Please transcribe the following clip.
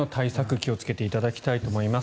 気をつけていただきたいと思います。